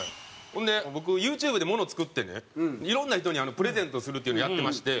ほんで僕ＹｏｕＴｕｂｅでもの作ってねいろんな人にプレゼントするっていうのやってまして。